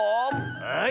はい。